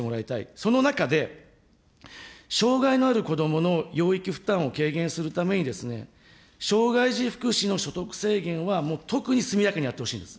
その中で、障害のある子どもの養育負担を軽減するために、障害児福祉の所得制限は特に速やかにやってほしいんです。